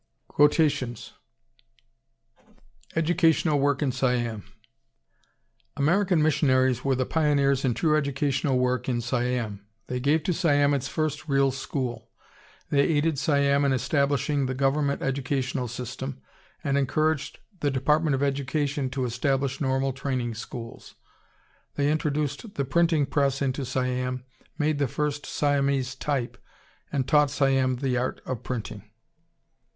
QUOTATIONS EDUCATIONAL WORK IN SIAM American missionaries were the pioneers in true educational work in Siam. They gave to Siam its first real school. They aided Siam in establishing the Government Educational system, and encouraged the Department of Education to establish normal training schools. They introduced the printing press into Siam, made the first Siamese type, and taught Siam the art of printing.